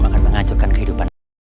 akan mengacaukan kehidupan